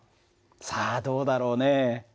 さあどうだろうね。